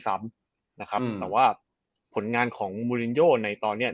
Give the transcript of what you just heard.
ซ้ำนะครับแต่ว่าผลงานของมูลินโยในตอนเนี้ย